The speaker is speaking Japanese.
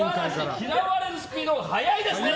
嫌われるスピードが早いですね。